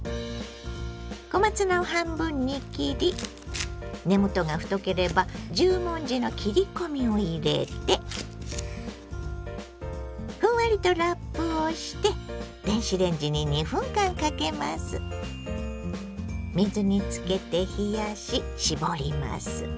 小松菜を半分に切り根元が太ければ十文字の切り込みを入れてふんわりとラップをして水につけて冷やし絞ります。